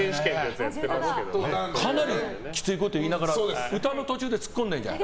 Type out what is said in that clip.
かなりきついこと言いながら歌の途中でツッコんでるじゃん。